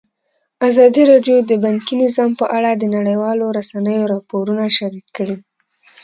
ازادي راډیو د بانکي نظام په اړه د نړیوالو رسنیو راپورونه شریک کړي.